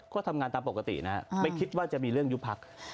ก็ทำงานตามปกตินะไม่คิดว่าจะมีเรื่องยุบพัก